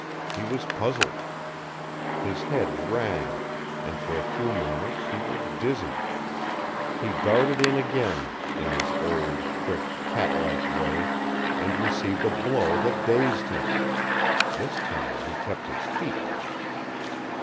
He was puzzled. His head rang, and for a few moments he was dizzy. He darted in again, in his old, quick, cat like way, and received a blow that dazed him. This time he kept his feet.